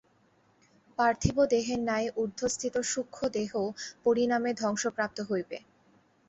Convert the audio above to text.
পার্থিব দেহের ন্যায় ঊর্ধ্বস্থিত সূক্ষ্ম দেহও পরিণামে ধ্বংসপ্রাপ্ত হইবে।